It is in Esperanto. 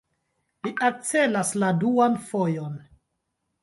Li ekcelas la duan fojon.